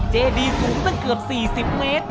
เจดีสูงตั้งเกือบ๔๐เมตร